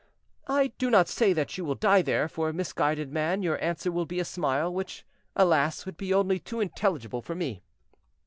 "I do not say that you will die there, for, misguided man, your answer will be a smile, which alas, would be only too intelligible for me.